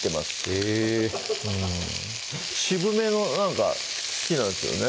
えぇ渋めのなんか好きなんですよね